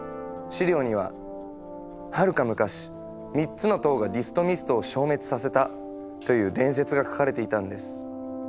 資料には『はるか昔３つの塔がディストミストを消滅させた』という伝説が書かれていたんです。